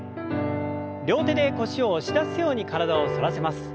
両手で腰を押し出すように体を反らせます。